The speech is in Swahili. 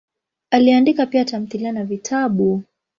Aliandika pia tamthilia na vitabu.